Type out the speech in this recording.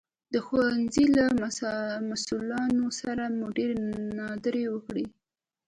د ښوونځي له مسوولانو سره مو ډېرې ناندرۍ وکړې